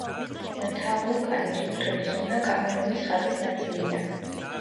მთა ვულკანი რიფტული ზონა კამერუნის ხაზის ნაწილია.